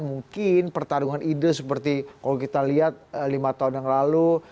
mungkin pertarungan ide seperti kalau kita lihat lima tahun yang lalu